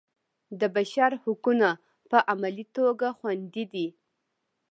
د بشر حقونه په عملي توګه خوندي وي.